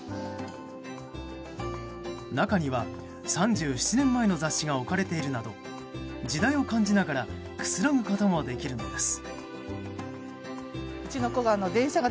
中には３７年前の雑誌が置かれているなど時代を感じながらくつろぐこともできるのです。